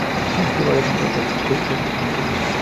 El sistema de control de actitud era pasivo.